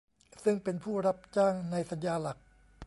ซึ่งเป็นผู้รับจ้างในสัญญาหลัก